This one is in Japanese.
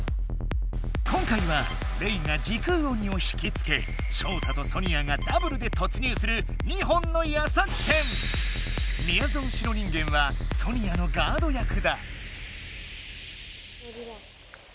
今回はレイが時空鬼を引きつけショウタとソニアがダブルで突入するみやぞん白人間はソニアのガード役だ。